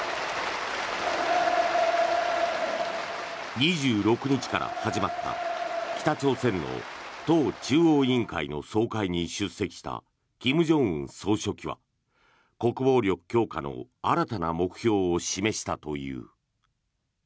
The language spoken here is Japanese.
２６日から始まった北朝鮮の党中央委員会の総会に出席した、金正恩総書記は国防力強化の新たな目標を示したという。